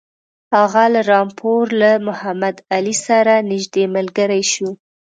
هغه له رامپور له محمدعلي سره نیژدې ملګری شو.